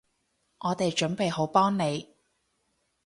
我哋準備好幫你